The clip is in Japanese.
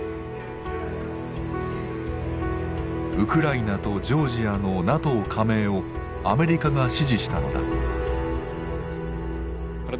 「ウクライナ」と「ジョージア」のＮＡＴＯ加盟をアメリカが支持したのだ。